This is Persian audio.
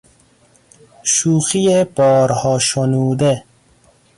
شوخی بارها شنوده